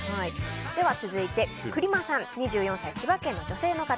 続いて２４歳、千葉県の女性の方。